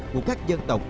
của các dân tộc